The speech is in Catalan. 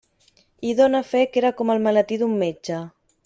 I done fe que era com el maletí d'un metge.